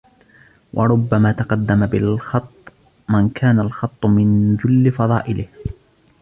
وَرُبَّمَا تَقَدَّمَ بِالْخَطِّ مَنْ كَانَ الْخَطُّ مِنْ جُلِّ فَضَائِلِهِ